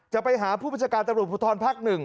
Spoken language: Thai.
จะไปหาผู้บัญชาการตรุปทรพัก๑